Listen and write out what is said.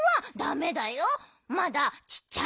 まだちっちゃいもん。